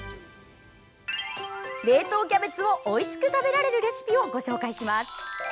冷凍キャベツをおいしく食べられるレシピをご紹介します。